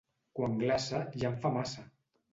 Quan glaça, ja en fa massa!